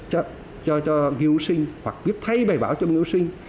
cho nghiên cứu sinh hoặc viết thay bài báo cho nghiên cứu sinh